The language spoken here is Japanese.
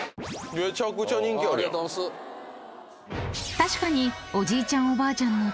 ［確かに］